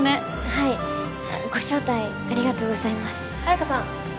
はいご招待ありがとうございます綾香さん